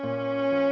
aku mau kemana